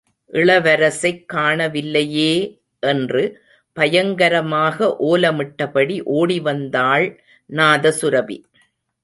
இளவரசைக் காண வில்லையே.. என்று பயங்கரமாக ஓலமிட்டபடி ஓடிவந்தாள் நாதசுரபி!...